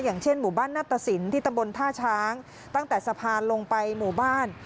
อย่างเช่นหมู่บ้านนัตตสินที่ตำบลท่าช้างตั้งแต่สะพานลงไปหมู่บ้าน